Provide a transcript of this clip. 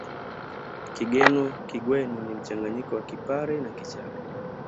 Kigweno ni mchanganyiko wa Kipare na Kichagga